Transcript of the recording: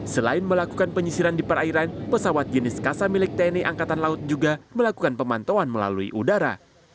selain melakukan penyisiran di perairan pesawat jenis kasa milik tni angkatan laut juga melakukan pemantauan melalui udara